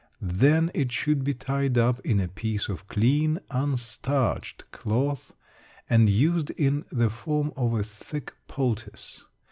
Then it should be tied up in a piece of clean, unstarched cloth, and used in the form of a thick poultice.